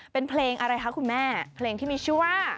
เป็นเพลงอะไรคะคุณแม่เพลงที่มีชื่อว่า